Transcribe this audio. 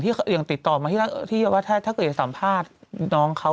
อย่างติดต่อมาที่ว่าถ้าเกิดสัมภาษณ์น้องเขา